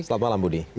selamat malam budi